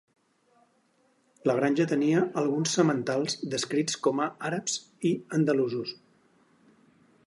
La granja tenia alguns sementals descrits com a "àrabs" i "andalusos".